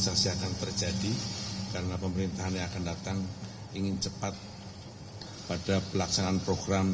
dan sinkronisasi akan terjadi karena pemerintahan yang akan datang ingin cepat pada pelaksanaan program